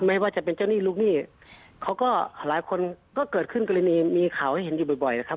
ไม่ว่าจะเป็นเจ้าหนี้ลูกหนี้เขาก็หลายคนก็เกิดขึ้นกรณีมีข่าวให้เห็นอยู่บ่อยนะครับ